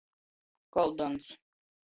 Koldons.